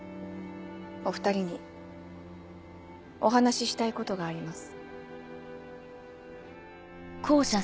お２人にお話ししたいことがあります。